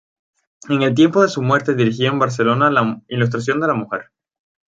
En el tiempo de su muerte dirigía en Barcelona "La Ilustración de la Mujer".